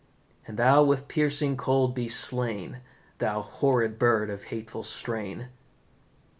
And thou with piercing cold be slain, Thou horrid bird of hateful strain!"